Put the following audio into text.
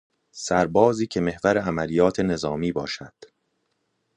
سربازی که محور عملیات نظامی باشد